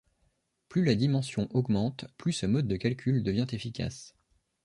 Plus la dimension augmente, plus ce mode de calcul devient efficace.